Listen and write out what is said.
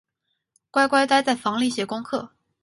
乖乖待在房里写功课